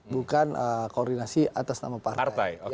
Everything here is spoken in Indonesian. bukan koordinasi atas nama partai